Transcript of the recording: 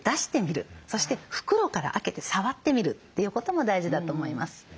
そして袋から開けて触ってみるということも大事だと思います。